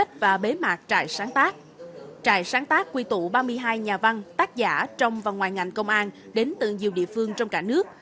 trong và ngoài ngành công an đến từ nhiều địa phương trong cả nước